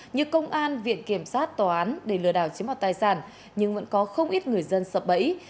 như công an viện kiểm sát tòa án để lừa đảo chiếm hoạt tài sản nhưng vẫn có không ít người dân sập bẫy